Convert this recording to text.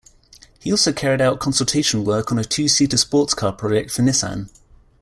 He also carried out consultation work on a two-seater sports car project for Nissan.